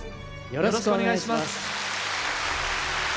よろしくお願いします。